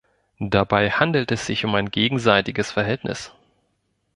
Dabei handelt es sich um ein gegenseitiges Verhältnis.